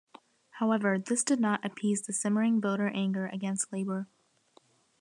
However, this did not appease the simmering voter anger against Labor.